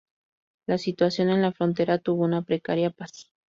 La situación en la frontera tuvo una precaria paz.